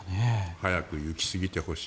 早くゆきすぎてほしい。